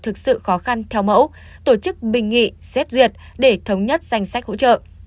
thực sự khó khăn theo mẫu tổ chức bình nghị xét duyệt để thống nhất danh sách hỗ trợ